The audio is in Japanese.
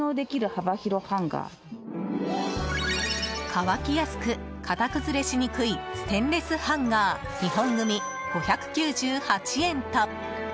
乾きやすく型崩れしにくいステンレスハンガー２本組、５９８円と。